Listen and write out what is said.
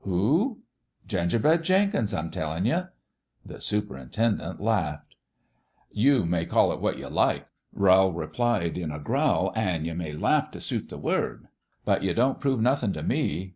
" Who ?"" Gingerbread Jenkins, I'm tellin' you 1" The superintendent laughed. " You may call it what you like," Rowl replied, in a growl, " an' you may laugh to suit the word ; but you don't prove nothin' t' me.